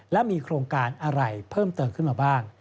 และมีโครงการอะไรเพิ่มเติมขึ้นมาบ้าง